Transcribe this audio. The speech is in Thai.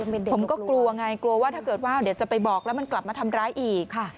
ผมก็กลัวไงกลัวว่าถ้าเด็ดจะไปบอกแล้วมันกลับมาทำร้ายอีก